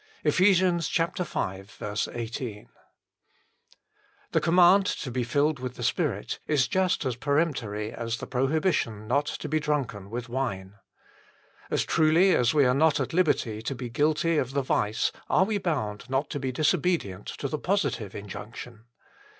EPH. v. 18. fTlHE command to be filled with the Spirit is just as peremptory as the prohibition not to be drunken with wine. As truly as we are not at liberty to be guilty of the vice are we bound not to be disobedient to the positive in junction.